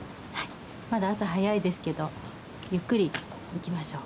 まだ朝早いですけどゆっくり行きましょう。